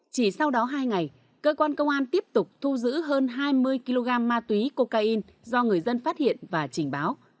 chỉ sau đó hai ngày cơ quan công an tiếp tục thu giữ hơn hai mươi kg ma túy cocaine do người dân phát hiện và trình báo